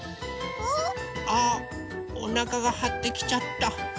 う？あっおなかがはってきちゃった。